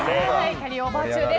キャリーオーバー中です。